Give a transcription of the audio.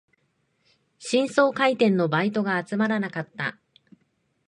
新装開店のバイトが集まらなかった